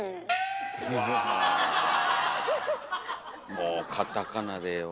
もうカタカナでええわ。